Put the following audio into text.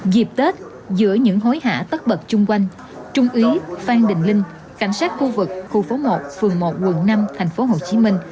dịp tết giữa những hối hả tất bật chung quanh trung úy phan đình linh cảnh sát khu vực khu phố một phường một quận năm tp hcm